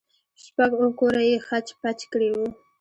شپږ اوه كوره يې خچ پچ كړي وو.